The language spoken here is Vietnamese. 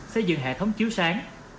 xây dựng hệ thống chiếu sáng